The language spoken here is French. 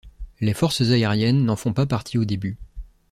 Les forces aériennes n'en font pas partie au début.